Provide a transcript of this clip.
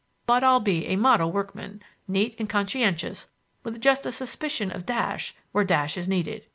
But I'll be a model workman, neat and conscientious with just a suspicion of dash where dash is needed.